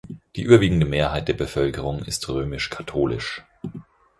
Die überwiegende Mehrheit der Bevölkerung ist römisch-katholisch.